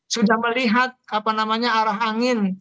sudah melihat apa namanya arah angin